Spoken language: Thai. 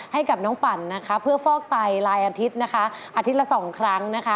ให้กับน้องปั่นเพื่อฟอกไตลายอาทิตย์อาทิตย์ละ๒ครั้ง